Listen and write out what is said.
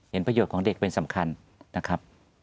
ประโยชน์ของเด็กเป็นสำคัญนะครับ